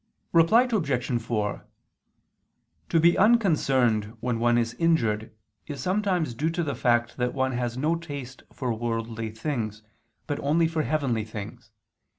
Reply Obj. 4: To be unconcerned when one is injured is sometimes due to the fact that one has no taste for worldly things, but only for heavenly things.